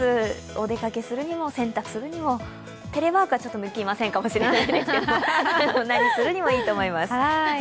お出かけするにも、洗濯するにも、テレワークはちょっと関係ないかもしれないですけど何をするにもいい天気です。